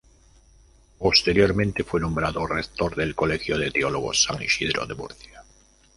Posteriormente fue nombrado rector del Colegio de Teólogos San Isidoro de Murcia.